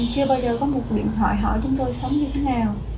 chưa bao giờ có một quyền hỏi hỏi chúng tôi sống như thế nào